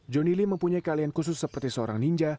johnny li mempunyai keahlian khusus seperti seorang ninja